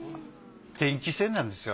電気線なんですよ